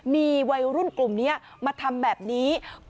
มีวัยรุ่นกลุ่มนี้มาทำแบบนี้